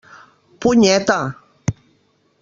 Punyeta!